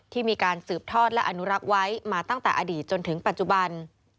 ที่มีการสืบทอดและอนุรักษ์ไว้มาตั้งแต่อดีตจนถึงปัจจุบัน